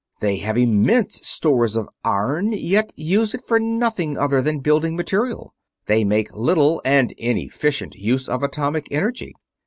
"They have immense stores of iron, yet use it for nothing other than building material. They make little and inefficient use of atomic energy.